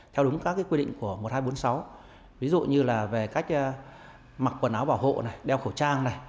theo đúng các quy định của một nghìn hai trăm bốn mươi sáu ví dụ như mặc quần áo bảo hộ đeo khẩu trang